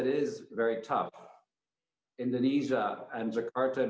ada sentralitas asia yang berkembang